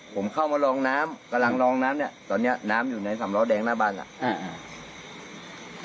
ผมเข้ามาลองน้ำกำลังลองน้ำเนี้ยตอนเนี้ยน้ำอยู่ในสำล้อแดงหน้าบ้านอ่ะ